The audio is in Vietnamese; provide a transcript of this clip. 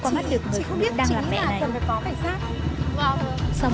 cô dẫn con đến cận đồ cải sát nhé